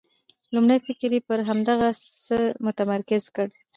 لومړی فکر یې پر همدغه څه متمرکز کړ.